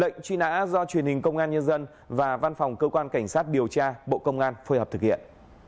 lệnh truy nã do truyền hình công an nhân dân và văn phòng cơ quan cảnh sát điều tra bộ công an phối hợp thực hiện